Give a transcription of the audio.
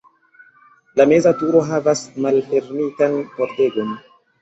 La meza turo havas malfermitan pordegon.